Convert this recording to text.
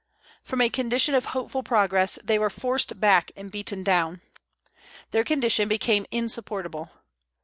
From a condition of hopeful progress, they were forced back and beaten down. Their condition became insupportable.